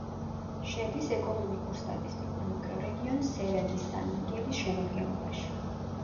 შედის ეკონომიკურ-სტატისტიკურ მიკრორეგიონ სერა-დი-სან-მიგელის შემადგენლობაში.